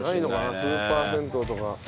スーパー銭湯とか。